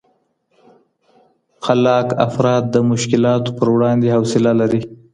خلاق افراد د مشکلاتو پر وړاندې حوصله لري.